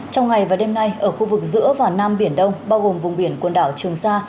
trong ngày và đêm nay ở khu vực giữa và nam biển đông bao gồm vùng biển quần đảo trường sa